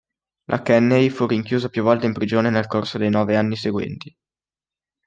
La Kenney fu rinchiusa più volte in prigione nel corso dei nove anni seguenti.